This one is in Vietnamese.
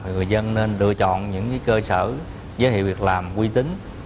người dân nên lựa chọn những cơ sở giới thiệu việc làm quy tính